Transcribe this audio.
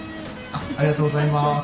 ありがとうございます。